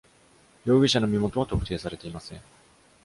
容疑者の身元は特定されていません。